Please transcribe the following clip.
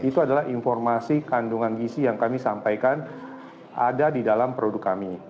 itu adalah informasi kandungan gisi yang kami sampaikan ada di dalam produk kami